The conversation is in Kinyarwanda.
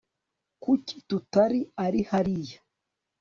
kuki tutari ari hariya